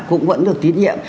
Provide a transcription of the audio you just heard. cũng vẫn được tín nhiệm